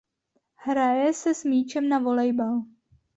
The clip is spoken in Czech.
Hraje se s míčem na volejbal.